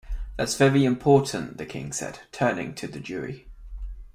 ‘That’s very important,’ the King said, turning to the jury.